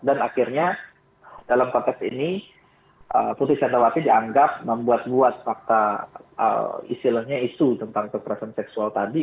akhirnya dalam konteks ini putri candrawati dianggap membuat fakta istilahnya isu tentang kekerasan seksual tadi